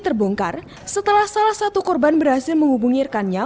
terbongkar setelah salah satu korban berhasil menghubungirkannya